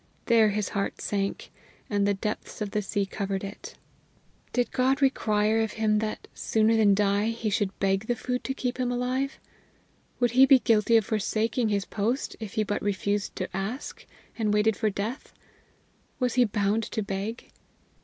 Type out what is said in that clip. There his heart sank, and the depths of the sea covered it! Did God require of him that, sooner than die, he should beg the food to keep him alive? Would he be guilty of forsaking his post, if he but refused to ask, and waited for Death? Was he bound to beg?